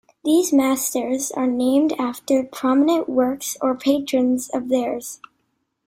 These masters are named after prominent works or patrons of theirs.